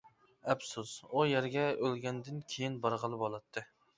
ئەپسۇس، ئۇ يەرگە ئۆلگەندىن كېيىن بارغىلى بولاتتى.